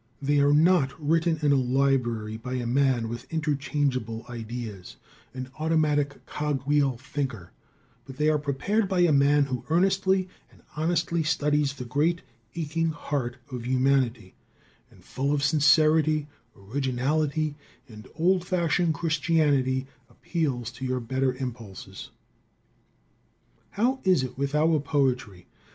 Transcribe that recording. They are not written in a library by a man with interchangeable ideas, an automatic cog wheel thinker, but they are prepared by a man who earnestly and honestly studies the great, aching heart of humanity, and full of sincerity, originality and old fashioned Christianity, appeals to your better impulses. How is it with our poetry?